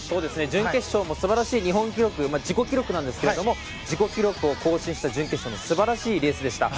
準決勝も素晴らしい日本記録自己記録なんですが自己記録を更新した準決勝の素晴らしいレースでした。